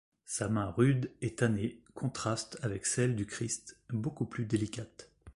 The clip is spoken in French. Sa main rude et tannée contraste avec celle du Christ, beaucoup plus délicate.